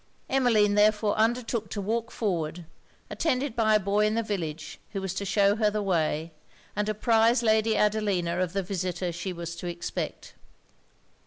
Emmeline therefore undertook to walk forward, attended by a boy in the village, who was to shew her the way, and apprize Lady Adelina of the visitor she was to expect.